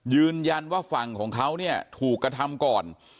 ยืนยันว่าฝั่งของเขาเนี่ยถูกกระทำก่อน